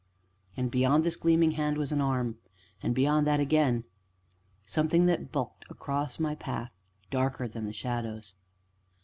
And, beyond this gleaming hand, was an arm, and beyond that again, something that bulked across my path, darker than the shadows.